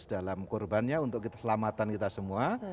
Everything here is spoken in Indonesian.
dalam kurbannya untuk keselamatan kita semua